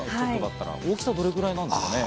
大きさ、どれぐらいなんですかね？